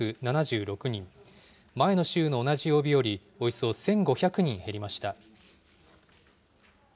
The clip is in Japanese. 前の週の同じ曜日より、およそ１５００人減りました。